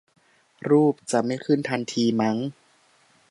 รูปจะไม่ขึ้นทันทีมั้ง